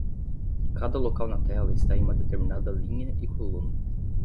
Cada local na tela está em uma determinada linha e coluna.